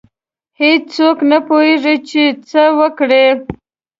هیڅ څوک نه پوهیږي څه وکړي.